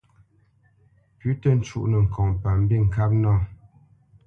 Pʉ̌ tǝ́ cúnǝ́ ŋkɔŋ pa mbîŋkâp nâ.